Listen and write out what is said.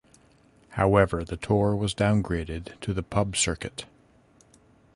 However the tour was downgraded to the pub circuit.